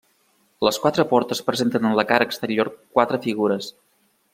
Les quatre portes presenten en la cara exterior quatre figures.